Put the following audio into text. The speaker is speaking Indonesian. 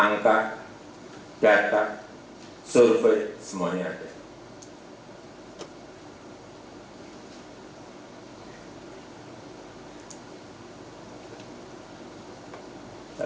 angka data survei semuanya ada